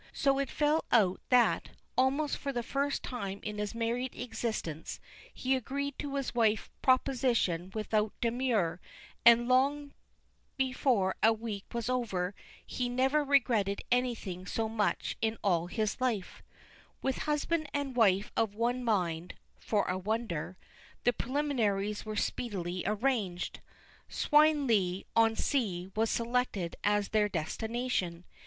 So it fell out that, almost for the first time in his married existence, he agreed to his wife's proposition without demur and long before a week was over, he never regretted anything so much in all his life. With husband and wife of one mind (for a wonder), the preliminaries were speedily arranged. Swineleigh on Sea was selected as their destination.